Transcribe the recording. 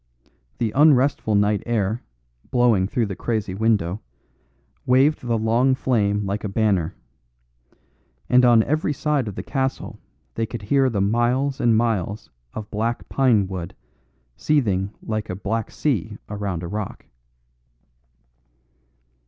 The unrestful night air, blowing through the crazy window, waved the long flame like a banner. And on every side of the castle they could hear the miles and miles of black pine wood seething like a black sea around a rock.